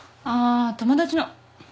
ああ友達の。